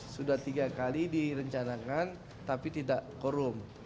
sudah tiga kali direncanakan tapi tidak korum